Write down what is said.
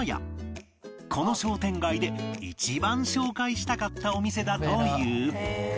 この商店街で一番紹介したかったお店だという